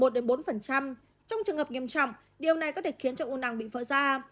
trong trường hợp nghiêm trọng điều này có thể khiến cho u năng bị vỡ ra